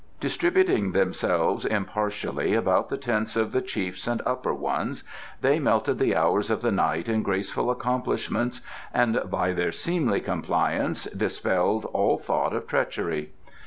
Distributing themselves impartially about the tents of the chiefs and upper ones, they melted the hours of the night in graceful accomplishments and by their seemly compliance dispelled all thought of treachery.